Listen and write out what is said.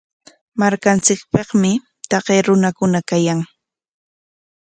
Markanchikpikmi taqay runakuna kayan.